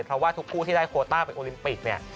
เพราะว่าทุกคู่ที่ได้โคต้าเป็นโอลิมปิกเนี่ย